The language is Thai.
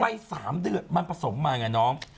ไม่สามเดือดมันผสมมาไงน้อง